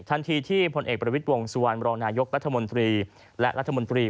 ทันทีที่ผลเอกประวิทย์วงสุวรรณรองนายกรัฐมนตรีและรัฐมนตรี